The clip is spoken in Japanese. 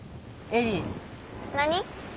何？